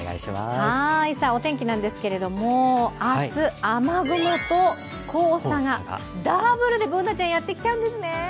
お天気なんですけれども明日、雨雲と黄砂がダブルでＢｏｏｎａちゃん、やってきちゃうんですね。